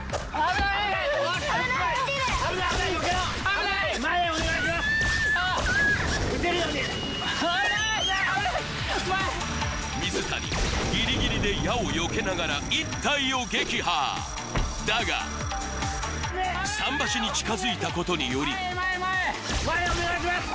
危ない前水谷ギリギリで矢をよけながら１体を撃破だが桟橋に近づいたことにより前お願いします